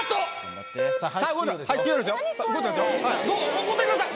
お答えください！